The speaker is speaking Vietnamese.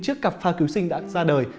chiếc cặp pha cứu sinh đã ra đời